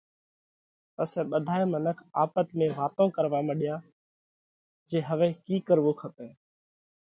پسئہ ٻڌائي منک آپت ۾ واتون ڪروا مڏيا جي هوَئہ ڪِي ڪروو کپئہ۔